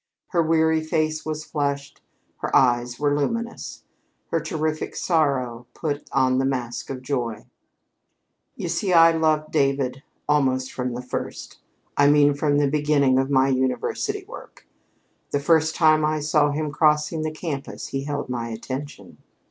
Her weary face was flushed; her eyes were luminous. Her terrific sorrow put on the mask of joy. "You see, I loved David almost from the first I mean from the beginning of my University work. The first time I saw him crossing the campus he held my attention.